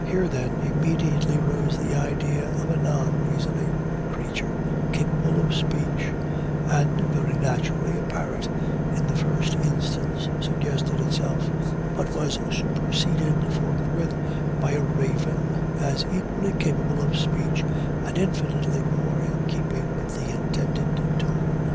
Here, then, immediately arose the idea of a non reasoning creature capable of speech; and, very naturally, a parrot, in the first instance, suggested itself, but was superseded forthwith by a Raven, as equally capable of speech, and infinitely more in keeping with the intended tone.